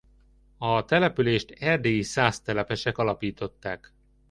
A települést erdélyi szász telepesek alapították.